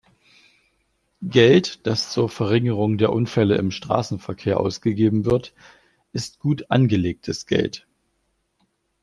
Geld, das zur Verringerung der Unfälle im Straßenverkehr ausgegeben wird, ist gut angelegtes Geld.